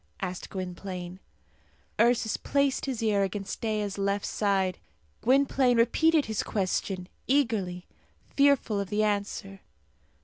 asked Gwynplaine. Ursus placed his ear against Dea's left side. Gwynplaine repeated his question eagerly, fearful of the answer.